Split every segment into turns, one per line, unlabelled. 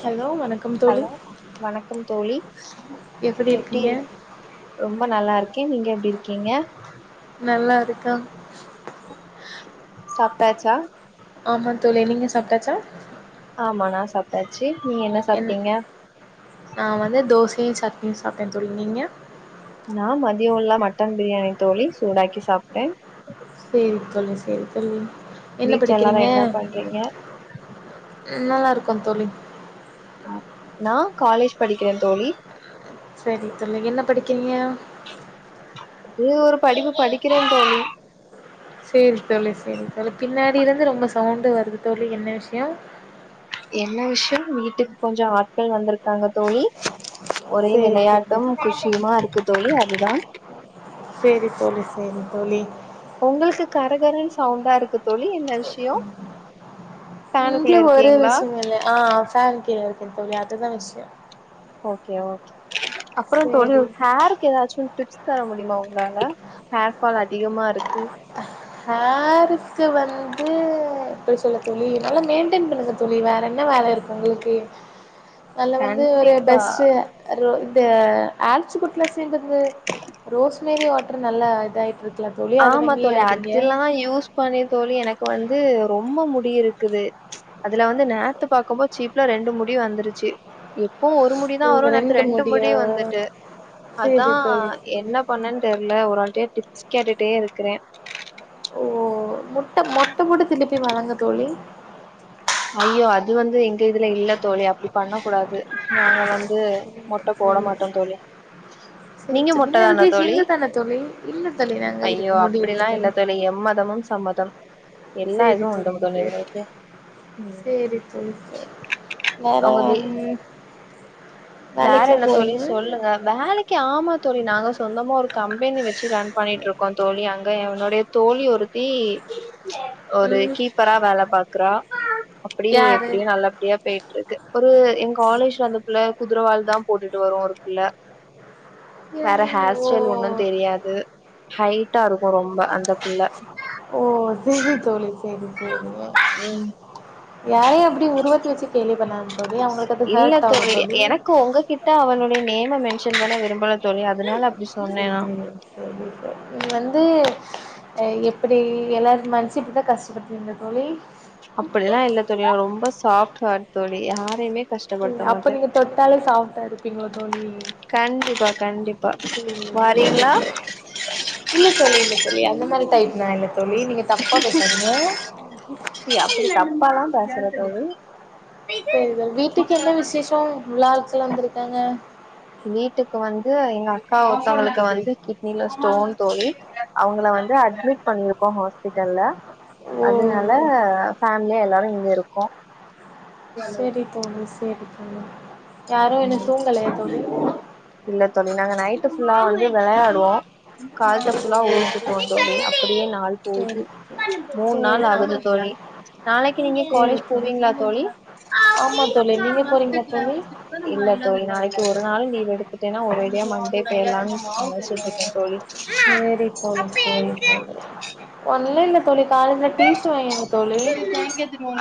hello வணக்கம் தோழி
hello வணக்கம் தோழி
எப்படி
எப்டி
இருக்கீங்க
இரு ரொம்ப நல்லா இருக் க்க நீங்க எப்படி இருக்கீங்க
நல்லா இருக்கோ
சப் ட்டச்ச
ஆமா தோழி நீங்க சாப்ட்டாச்சா
ஆமா நா சாப்டாச்சு
என் நா வந்து தோசையு சட் நீ சாப்டன தோழி நீங்க
நா மதியோ இல மட்டன் பிரியாணி தோழி சூடாக்கி சாப்ட்ட
செரி தோழி செரி தோழி என்ன
வீட்ல எல்லாரு
படிக்கிறீங்க
என்ன பண்றீங்க
நல்லா அ தோழி
நா காலேஜ் படிக்கிற தோழி
சரித் தோழி என்ன படிக்ரீங்க
ன்னொர் படிப்பு படிக்கிறேன்னு தோழி
செரி தோழி செரி தோழி பின்னாடி இருந்து ரொம்ப சவுண்டு வருது தோழி என்ன விஷயோ
என்ன விஷயம் வீட்டுக்கு கொஞ்சம் ஆட்கள் வந்திருக்காங்க தோழி ஒரே
சேரி தோழி
விளையாட்டும் குஷியுமா இருக்குத்தோழி அ துதான்
சரி தோழி சரி தோழி
ஒங்களுக்கு கரகரன்னு சவுண்டா இருக்கு தோழி என்ன விஷயொ
இங்கே ஒரே விஷயொம் இல்ல ஆஹ் ஃபேன் கீழ இருக் க்கோமில்லயா அதுதா விஷ்யொ
ஓகே ஓகே அப்றம் தோழி
சேரி
ஹேருக்கு எதாச்சு டிப்ஸ் தர முடியுமா ஒங் களால ஹேர்ஃபால் அதிகமாருக்கு
ஹேருக்கு வந்து எப்டி சொல்ல தோழி நல்லா மெயின்டெயின் பண்ணுங்க தோழி வேற என்ன வேல இருக்கு உங்களுக்கு நல்ல வந்து ஒரு
கண்டிப்பா
பெஸ்ட் [unintelligible] த ஆர்ச்சு குட்னஸ் த்தின்றது ரோஸ்மரி வாட்டர் நல்லா க்கலா தோழி அத வாங்கி அட்
இதுலா யூஸ் பண்ணி தோழி எனக்கு வந்து ரொம் ம்ப முடி இருக்குது அதுல வந்து நேத்து பாக்கம்போ சீப்ல ரெண்டு முடி வந்துருச்சு எ ப்போவு ஒரு முடிதா வரு நேத்து
ரெண்டு
ரண்டு முடி
முடியா
வந்துட்டு அதா
சேரி தோழி சேரி
என்ன பண்ணன்னு தெர்ல ஒரு ஆள்ட்டையா டிப்ஸ் கேட்டுட்டே இருக்குறே
ஓ முட்ட மொட்ட போட்டு திலுப்பி வளங்க தோழி
ஐயோ அது வந்து எங்க இதுல இல்ல தோழி அப்டி பண்ண கூடாது நாங்க வந்து மொட்ட போட மாட்டோம் தோழி
சேரி
நீங்க
தோழி
மொட்ட தானா
அதுக்கு
தோழி
ஹிந்து தான தோழி இல்ல தோழி நாங்க இருக்கு
ஐயோ
முடி இருக்கு
அப்டிலா இல்ல தோழி எம்மதமும் சம்மதம் எல்லா இதுவு உண்டும் தோழி உங்களுக்கு
செரி தோழி சரி வேற
அவங்க வீ
ம்
வேற
வேலைக்குலா
என்ன தோழி
போறீங்களா
சொல்லுங்க வேலைக்கு ஆமா தோழி நாங்க சொந்தமா ஒரு கம்பெனி வச்சு ரன் பண்ணிட்டு இருக்கோம் தோழி அங்க என்னுடைய தோழி ஒருத்தி ஒரு
ம்
கீப்பரா வேல பாக்குறா அப்டி
யாரு
எப்டி நல்லபடியா பேய்ட் ட்ருக்கு ஒரு எங் காலேஜ்ல அந்த பிள்ள குதிரவால்தா போட்டுட்டு வரு ஒரு புள்ள
யா
வேற ஹேர்
ஓ
ஸ்டைல் ஒன்னு தெரியாது ஹைட்டா இருக்கு ரொம்ப அந்த புள்ள
ஓ செரி தோழி செரி செரி
ம்
யாரையு அப்டி உருவத்த வச்சு கேலி பண்ணான்னு தோழி அவுங்களுக்கு அது ஹெர்ட் ஆகு தோழி
எனக்கு ஒங்ககிட்ட அவனுடைய நேமை மென் ஷன் பண்ண விரும்பல தோழி அதனால அப்டி சொன்னே நா
[unintelligible] வந்து ஆ எப்டி எல்லாரு மனசு இப்டிதா கஷ்டப்படுத்துவீங்கலா தோழி
அப்டிலா இல்ல தோழி நா ரொம்ப சாப்ட் ஹாட் தோழி யாரையுமே
ம்
கஷ்டப்படுத்த
அப்ப
மாட்டே
நீங்க தொட்டாலே சாஃப்ட்டா இருப்பீங்கலோ தோழி
கண்டிப்பா கண்டிப்பா வாரீங்களா
இல்ல தோழி இல்ல தோழி அந்த மாரி டைப் நானு
ச்சீ அப்டி தப்பால்லா பேசல தோழி
செரி சொ வீட்டுக்கு என்ன விசேஷோ இவளோ ஆட்கள்ல வந்திருக்காங்க
வீட்டுக்கு வந்து எங்க அக்கா ஒருத்தவளுக்கு வந்து கி ட்டின ஸ்டோன் தோழி அவுங்கள வந்து அட்மிட் பண்ணியிருக்கோ ஹாஸ்பிட்டல்ல
ஓ
அதுனால ஃபேமிலியா எல்லாரு இங்க இருக் கோ
செரி தோழி செரி தோழி
இல்ல தோழி நாங்க நைட் ட்டு ஃபுல்லா வந்து வெளையாடுவோ காலைல ஃபுல்லா
ஓ
ஊர் சுத்துவோம் தோழி அப்டியே நாள் போகுது
சரி
மூணு நாள் ஆகுது தோழி நாளைக்கு நீங்க
சரி
காலேஜ்
தோழி
போவீங்களா தோழி
ஆமா தோழி நீங்க போறீங்களா தோழி
இல்ல தோழி நாளைக்கு ஒருநாள் லீவ் எடுத்துடேனா ஒரேடியா மண்டே பேய்லானு யோச்சிட்ருக்கே
சேரி தோழி சேரி தோழி ஒண்ணு இல்ல தோழி காலேஜ்ல டீசி வாங்கிருங்க தோழி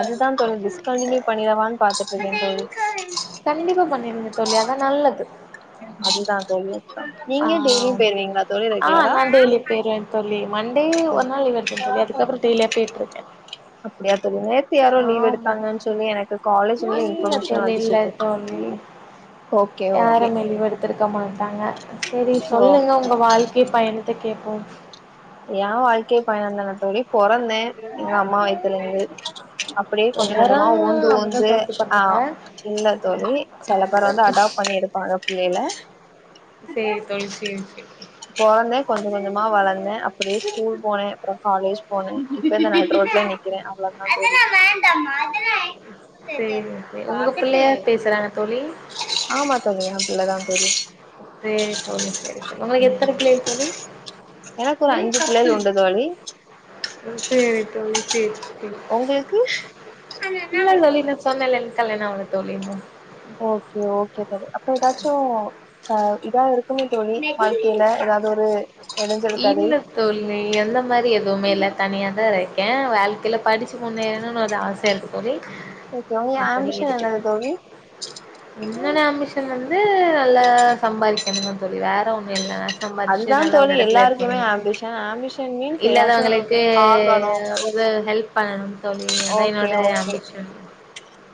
அதுதா தோழி டிஸ்கண்டினியூ பண்ணிடவான்னு பாத்துட்டு இருக்கே தோழி
கண்டிப்பா பண்ணிருங்க தோழி அதா நல்லது
அதுதா தோழி
ஆ
நீங்க டெய்லியு போயிருவீங்களா தோழி
ஆ ஆ
ரெகுலரா
நா டெய்லி பேய்ருவே தோழி மண்டே ஒரு நாள் லீவ் எடுத்தே தோழி அதுக்கப்பறோ டெய்லியே போயிட்டுருக்கே
அப்டியா தோழி நேத்து யாரோ லீவ்
ஆமா
எடுத்தாங்கனு சொல்லி எனக்கு காலேஜ்லந்து
இல்ல
இன்பர்மேஷன்
தோழி
வந்துச்சு
இல்ல
தோழி ஓகே ஓகே
யாருமே ம்
ஓ
சொல்லுங்க உங்க வாழ்க்கை பயணத் கேப்போம்
ஏன் வாழ்க்கை பயணம் தானத் தோழி பொறந்தே எங்க அம்மா வயத்தலேந்து என்னவா அப்படியே கொஞ்சம்
எல்லாரு
கொஞ்சமா ஊந்து
அப்டிதா
ஊந்து
தோழி
ஆ
பண்ணாங்க
இல்ல தோழி சில பேர் வந்து அடாப்ட் பண்ணி எடுப்பாங்க பிள்ளைில
சேரி தோழி சேரி சேரி
அப்டியே ஸ்கூல் போனேன் அப்புறம் காலேஜ் போனே இப்ப நடு ரோட்டுல நிக்கிற அவ்ளோதா தோழி [unintelligible]
செரி செரி உங்க பிள்ளையா பேசுறாங்க தோழி
ஆமா தோழி ஏ பிள்ளதா தோழி
சேரி தோழி சேரி தோழி உங்களுக்கு எத்தன பிள்ளைகள் தோழி
எனக்கு ஒரு அஞ்சு பிள்ளைல் உண்டு தோளி
சேரி தோளி சேரி
உங்களுக்கு
இல்ல தோளி நா சொன்னலல் கல்யாணோ ஆவல தோழி இன்னு
ஓக்கே ஓக்கே தோழி அப்ப ஏதாச்சு ஆ இதா இரு க்குமே தோழி வாழ்க்கையில ஏதாவது ஒரு இடைஞ்சல் கதை
இல்ல தோலி அந்த மாரி எதுமே இல்ல தனியா தா இரு இருக்கே வாழ்க்கையில படிச்சு முன்னேரணுன்னு ஒரு ஆசே இருக்கு தோழி
ஓகே உங்க
அப்படி
ஆம்பிஷன்
எதுக்கு
என்னது தோழி
என்னொட ஆம்பிஷன் வந்து நல்லா சம்பாரிக்கணும் தோழி வேற ஒன்னு இல்ல சம்பாதிச்சு
அதுதா
நல்ல ஒரு
தோழி
இட
எல்லாருக்குமே ஆம்பிஷன் ஆம்பிஷன் மீன்ஸ் ஏதாச்சு
இல்லாதவங்களுக்கு
ஆகனு
ஒரு ஹெல்ப் பண்ணணு தோழி அதா
ஓக்கே
என்னோட
ஓக்கே
ஆம்பிஷன்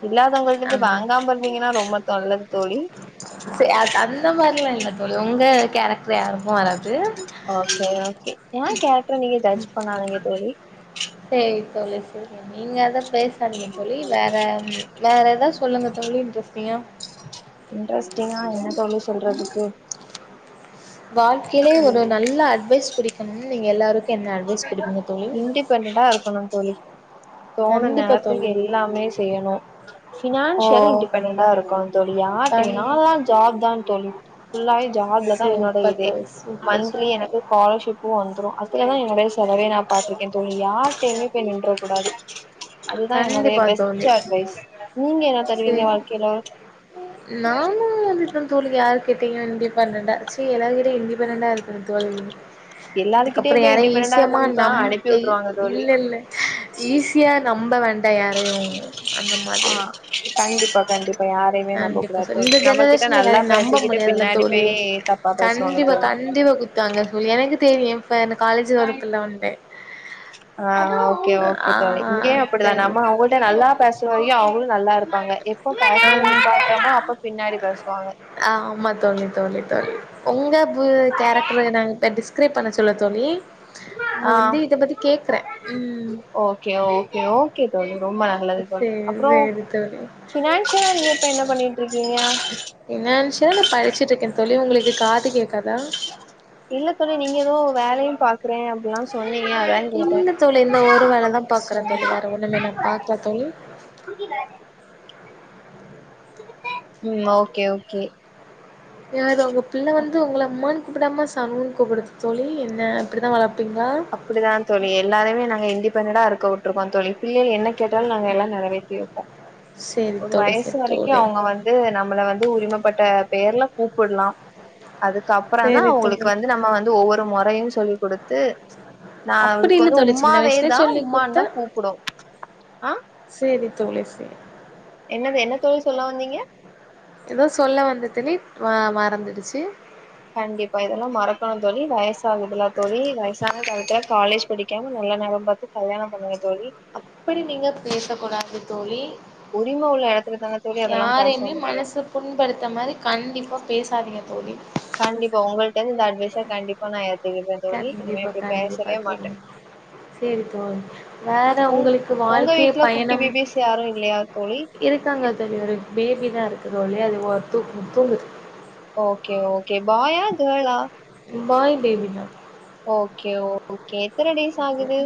இல்லாதவங்களு
ஆ
அதுலரிருந்து வாங்காம இருந்தீங்கன்னா ரொம்ப தொல்லது தோளி
இல்ல இல்ல தோலி உங்க கேரக்டரு யாருக்கு வராது
ஓக்கே ஓக்கே ஏ கேரக்ர நீங்க ஜட்ஜ் பண்ணாதிங்க தோளி
சொல்லி செல் நீங்க அத பேசாதீங்க தோளி வேற வேற ஏதாவது சொல்லுங்க தோளி இன்ட்ரெஸ்ட் அ பியா
ஓ
வாழ்க்கையிலயே ஒரு நல்ல அட்வைஸ் புடிக்கணும்னா நீங்க எல்லாரு
இன்டிபெண்டன்டா இருக்கணுந் தோழி தோணுன
கண்டிப்பா
நேரத்துக்கு
தோழி
எல்லாமே செய்யணு
ஓ
பினான்சியல்லா இன்டிபெண்டன்டா இருக்கணுந் தோழி யாரட்டையுமே
கண்
நால்ல ஜாப் தா தோளி புள்ளாவே ஜாப்ல தா என்னோட
சூப்பர்
இதே
தோழி சூப்பர்
மந்த்லி
சூப்பர்
எனக்கு காலர்ஷிப்பூ வந்துரு அப்பரோதா எனக்கு ரெஸ் செலவயு நா பாத்திருக்கே தோழி யார்ட்டையுமே போய் நின்ற கூடாது அதுதா என்னுடைய
கண்டிப்பா
பெஸ்ட்
தோழி
அட்வைஸ் நீங்க என்ன தருவீங்க
சேரி
வாழ்க்கையில
[unintelligible] இண்டிபெண்டென்ட்டா சி எல்லார்கிட்டயு இண்டிபெண்டென்ட்டா இரு தோழி அதுக்கப்பறோ
எல்லாருகிட்டயு போய்
யாரயு
இண்டிபெண்டண்டா
ஈசியமா
இருந்தோம்னு சொன்னா
நம்
அனுப்பி
இ
விட்டுருவாங்க தோழி
இல்ல இல்ல ஈஸியா ரொம்ப வந்
ஆஹ் கண்டிப்பா கண்டிப்பா யார்
கண்டிப்பா சோ இந்த ஜெனரேஷன்ல எல்லாரயு நம்ப
பேசிக்கிட்டு
முடியாதுல்ல
பின்னாடி
தோழி
போய் தப்பா பேசுவாங்க
கண்டிப்பா
தோழி
கண்டிப்பா குத்துவாங்க சொல்லி ஏனா எனக்கு தெரியு இப்ப அந்த காலேஜ் ஒரு புள்ள உண்டு
ஆஹ் ஓகே ஓகே
ஆ
தோழி இங்கயு அப்டிதா
தெரியு
நம்ம அவங்கள்ட்ட நல்லா பேசுற வரையு அவங்களு நல்லா இருப் ப்பாங்க
ஆஹ்
பேசுவாங்க
ஆஹ் ஆமா தோழி தோழி தோழி உங்க பு கேரக்ட்ரு என்னானு எப்டி சொல் கிரேப் பண்ண சொல்லவா தோழி இங்க
ஆ
வந்து இத பத்தி கேக்குறே ம்
ஓகே ஓகே ஓகே தோழி ரொம்ப நல் நல்லது பண்
சேரி
அப்றோ
சேரி தோழி
ஃபினான்சியலா நீங்க இப்ப என்ன பண்ணீட்டுருக்கீங்க
சே நா படிச்சிட்டுருக்கேங் தோழி உங்களுக்கு காது கேக்காதா
இல்ல தோழி நீங்க எதோ வேலயு பாக்குறே அப்டிலா சொன்
இல்ல தோழி இந்த ஒரு வேலதா பாக்குறே தோழி வேற ஒன்னுமே நா பாக்கல தோழி
உம் ஓகே ஓகே
யாரு உங்க பிள்ள வந்து உங்கள அம்மான் கூப்டாமா சாமினு கூப்டுது தோழி என்ன இப்டிதா வளப்
அப்டிதா தோழி எல்லாருமே நாங்க இங்க ஃபிரெண்டா இருக்க விட்ருக்கோ தோழி பிள்ளைய என்னக் கேட்டாலு நாங்க எல்லா நெறைவேத்தி வெப்போ
சேரி
ஒரு
தோழி
வயசு
சேரி
வரைக்கு
தோழி
அவ்ங்க வந்து நம்மள வந்து உரிமப்பட்ட பேர்ல கூப் புட்லா அதுக்கப்றந்தா
சேரி
அவ்ங்களுக்கு
தோழி
வந்து நம்ம வந்து ஒவ்வொரு மொறையு சொ தொல்லி் குடுத்து நா
அப்டி
அவளுக்கு
இல்ல
வந்து
தோழி சின்ன
உம்மாவே
வயசுலயே
தா
சொல்லி
உம்மான் தா
குடுத்தா
கூப்டு ஆஹ்
சேரி தோழி சேர்
என்னது என்ன தோழி சொல்ல வந்தீங்க
எதோ சொல்ல வந்தே தோழி ம மறந்துடுச்சி
கண்டிப்பா இதெல்லா மறக்கணு தோழி வயசாகுதுல தோழி வயசான டயத்துல காலேஜ் படிக்காம நல்ல நேர பாத்து கல்யாண பண்ணி வச்
அப்பிடி நீங்க பேசக்கூடாது தோழி
உரிம உள்ள எடத்துல தான தோழி அதெல்லா பேச
யாரையுமே
முடியு
மனசு புண்படுத்த மாரி கண்டிப்பா பேசாதீங்க தோழி
கண்டிப்பா உங்கள்ட்ட இருந்து இந்த அட்வைஸா கண்டிப்பா நான் எடு
கண்டிப்பா கண்டிப்பா தோழி செரி தோழி வேற
உங்
உங்களுக்கு
உங்க
வாழ்க்கை
வீட்ல குட்டி
பயணம்
பேபிஸ் யாரு இல்லையா தோழி
இருக்காங்க தோழி ஒரு பே பி தா இருக்குது ஆனா அங்க பேபி தூங்குது
ஓகே ஓகே பாயா கேளா
பாய் பேபிதா
ஓகே ஓ கே எத்தன டேஸ் ஆகுது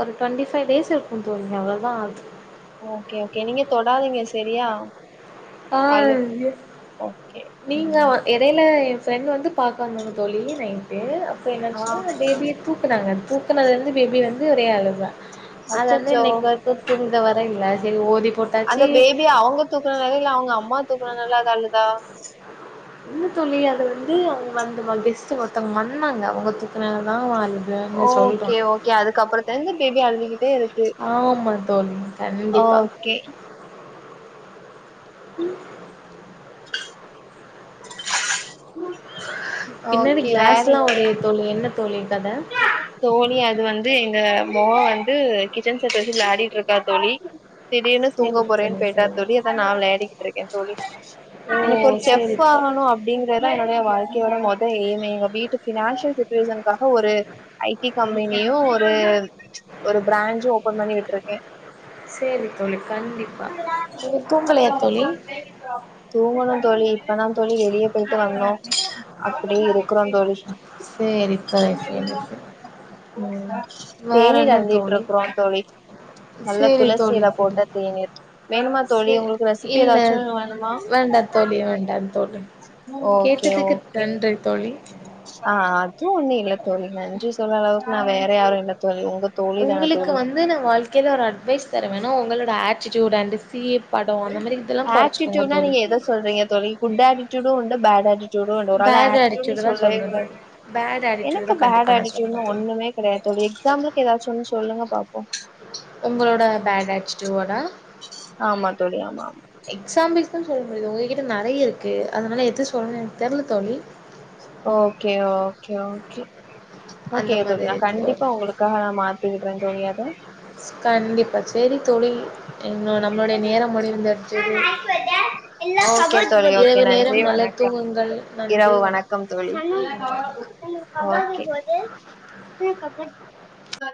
ஒரு டுவெண்டி ஃபைவ் டேஸ் இருக்கும் தோழி அவ்ளவுதா ஆகுது
ஓகே ஓகே நீங்க தொடாதீங்க சரியா அழு
ஆஹ்
ஓகே
நீங்க
ம்
வ எடைல ஃப்ரெண்ட் வந்து பாக்க வந்தாங்க தொழி நைட்டு அப் ப்போ
ஆ
என்னாச்சுன்னா பேபிய தூக்குனாங்க தூக்குனதுலருந்து பேபி வந்து ஒரே அலுவ அத வந்து
அச்சச்சோ
இன்னைக்கு வந்து தூங் த வர இல்ல சரி ஓதி
அந்த
போட்டாச்சு
பேபி அவங்க தூக்குறதுனாலயா இல் அவ்ங்க அம் ம்மா தூக்கனனால அது அழுதா
இல்ல தோழி அது வந்து அவங்க வந்து வ ஹெஸ்ட் ஒருத்தவங்க வந்தாங்க அவங்க தூக்குனனாலதா அவ அழுவு
ஓகே ஓகே அதுக்கப்பறத்தருந்து பேபி அழுதுக்கிட்டே இருக்கு
ஆமா தோழி கண்டிப்பா
ஓகே
ம் பின்னாடி
ஓகே வேற
கிளாஸ்ல்லா ஒடயுது தோழி என்ன தோழி கத
தோழி அது வந்து இங்க மொவ வந்து கிச்சன் செட் வச்சு விளாடிட்டு இருக்கா தோழி திடீர்னு தூங்க
சேரி
போறேன்னு
தோழி
போயிட்டா
சேரி
தோழி அதா நா வெளையாடிக்கிட்டு இருக்கே தோழி
ஓ
எனக்கு ஒரு செஃப்
சேரி தோ
ஆகணு அப்படிங்கறதா என்னுடைய வாழ்க் யோட மொத ஏய்ம்மே எங்க வீட்டு ஃபினான்சியல் சுச்சுவேஷன்காக ஒரு ஐ ஐ டி கம்பெனியு ஒரு ம்ச்சு ஒரு பிராஞ்சு ஓபன் பண்ணி விட்டுருக்கே
சேரி தோழி கண்டிப்பா நீங்க தூங்கலையா தோழி
தூங்கனு தோழி இப்பதா தோழி வெளிய போயிட்டு வந்தோ அப்டி இரு
செரித் தோழி செரி
உம் இந்தா தேநீர்
என்ன தோழி
அருந்திட்டுருக்குறோ தோழி நல்ல
சேரி தோழி
துளசியில
சேரி
போட்ட தேநீர் வேணுமா தோழி
சே
உங்களுக்கு ரெசிபி
இல்ல
எதாச்சும் வேணுமா
வேண்டா தோழி வேண்டா தோழி கேட்டதுக்கு நன்றி தோ
ஆஹ் அது உண் நீங்ளே தோழி நன்றி சொல்லாதளவுக் நா வேற யாரு இல்ல தோழி உங்க தோழி தான
உங்ளுக்கு வந்து நா
தோழி
வாழ்க்கையில ஒரு அட் வைஸ் தருவேணா உங்களோட ஆட்டிடியூட் அண்டு
ஆட்டிடியூட்னா
தோழி
நீங்க எத சொல்றீங்க தோழி குட் ஆட்டிடியூடூ ல பேட் ஆட்டிட் டியூடோ ஒரு வேல
பேட்
ஆட்டிடியூட்னு
ஆட்டிடியூட தா
சொல்லவே
சொல்றே
கூடாது
தோழி பேட் ஆட்டிடியூட
எனக்கு
தா
பேட்
கண்டிப்பா நா சொல்றே
ஆட்டிடியூட்னு
தோழி
ஒன்னுமே கெடையாது தோழி எக்ஸாம்பிள்கு ஏதாச்சு ஒன்னு சொல்லுங்க பா ஓ
உங்களோட பேட் ஆட்டிடியூடா
ஆமா தோழி ஆமாம்
எது சொல்லணூ உங்ககிட்ட நறைய இருக்கு அதனால எது சொல்லணூ எனக்கு தெர்ல தோழி
ஓகே ஓகே ஓகே
அந்த
ஓகே
மாதிரி
தோழி நா
இருக்கும்
கண்டிப்பா உங்களுக்காக நா மாத்திக்கிடுறே தோழி அத
தொழில் இன்னூ நம்ளுடைய நேரம் முடிந்தடிச்சது
ஓகே தோழி ஓகே நன்றி வணக்கம் இரவு வணக்கம் தோழி ஓகே உஹ